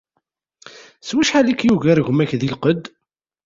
S wacḥal i k-yugar gma-k di lqedd?